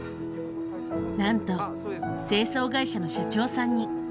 なんと清掃会社の社長さんに。